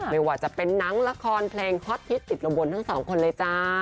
ไม่ว่าจะเป็นหนังละครเพลงฮอตฮิตติดลมบนทั้งสองคนเลยจ้า